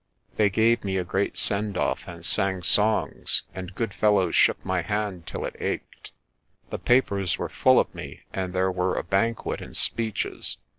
They gave me a great send off, and sang songs, and good fellows shook my hand till it ached. The papers were full of me and there were a banquet and speeches.